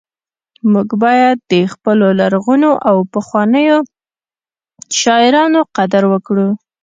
موږ باید د خپلو لرغونو او پخوانیو شاعرانو قدر وکړو